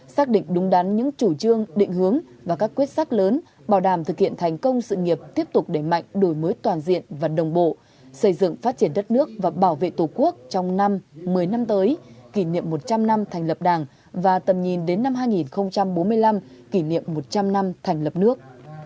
xác định đúng đắn những chủ trương định hướng và các quyết sách lớn bảo đảm thực hiện thành công sự nghiệp tiếp tục đẩy mạnh đổi mới toàn diện và đồng bộ xây dựng phát triển đất nước và bảo vệ tổ quốc trong năm một mươi năm tới kỷ niệm một trăm linh năm thành lập đảng và tầm nhìn đến năm hai nghìn bốn mươi năm kỷ niệm một trăm linh năm thành lập nước